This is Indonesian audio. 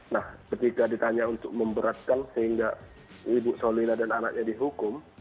nah ketika ditanya untuk memberatkan sehingga ibu saulina dan anaknya dihukum